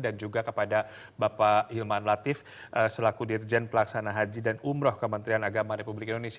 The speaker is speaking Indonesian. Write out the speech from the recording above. dan juga kepada bapak hilmar latif selaku dirjen pelaksana haji dan umroh kementerian agama republik indonesia